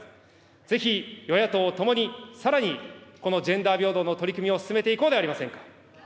ぜひ与野党ともに、さらにこのジェンダー平等の取り組みを進めていこうではありませんか。